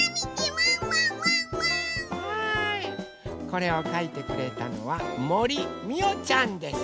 これをかいてくれたのはもりみおちゃんです。